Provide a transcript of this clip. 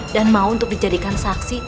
dan mau untuk dijadikan saksi